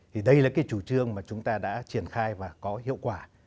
thì đây là cái chủ trương mà chúng ta đã triển khai và có hiệu quả